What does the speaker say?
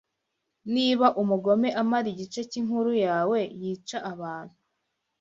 Niba umugome amara igice cyinkuru yawe yica abantu